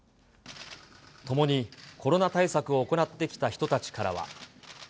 共にコロナ対策を行ってきた人たちからは。